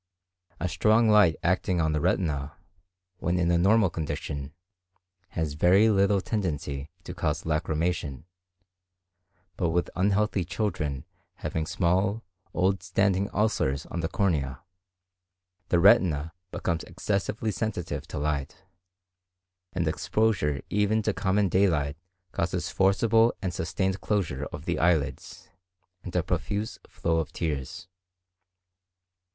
A strong light acting on the retina, when in a normal condition, has very little tendency to cause lacrymation; but with unhealthy children having small, old standing ulcers on the cornea, the retina becomes excessively sensitive to light, and exposure even to common daylight causes forcible and sustained closure of the lids, and a profuse flow of tears.